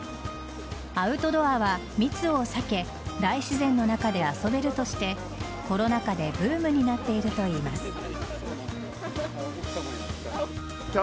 アウトドアは密を避け大自然の中で遊べるとしてコロナ禍でブームになっているといいます。